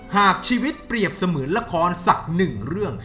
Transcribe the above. หากชีวิตเปรียบเสมือนละครสักหนึ่งเรื่อง